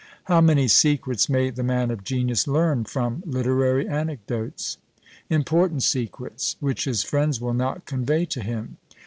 How many secrets may the man of genius learn from literary anecdotes! important secrets, which his friends will not convey to him.